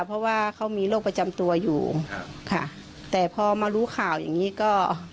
เพราะว่าเขามีโรคประจำตัวอยู่ค่ะแต่พอมารู้ข่าวอย่างงี้ก็